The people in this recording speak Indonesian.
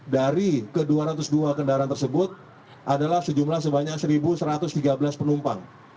dari ke dua ratus dua kendaraan tersebut adalah sejumlah sebanyak satu satu ratus tiga belas penumpang